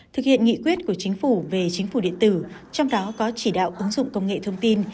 thực hiện nghị quyết của chính phủ về chính phủ điện tử trong đó có chỉ đạo ứng dụng công nghệ thông tin